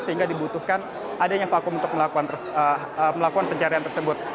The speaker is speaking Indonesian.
sehingga dibutuhkan adanya vakum untuk melakukan pencarian tersebut